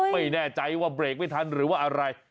ไม่แน่ใจว่าเบรกไม่ทันหรือว่าอะไร